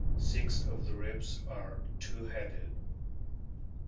Six of the ribs are two headed.